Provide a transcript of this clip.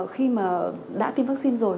khi mà đã tiêm vaccine rồi